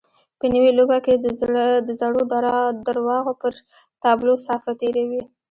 په نوې لوبه کې د زړو درواغو پر تابلو صافه تېروي.